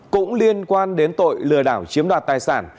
cũng liên quan đến tội lừa đảo chiếm đoạt tài sản